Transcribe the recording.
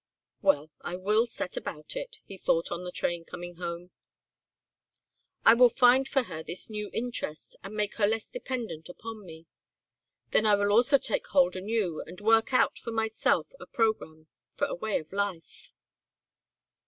"Well, I will set about it," he thought on the train coming home; "I will find for her this new interest and make her less dependent upon me. Then I also will take hold anew and work out for myself a programme for a way of life."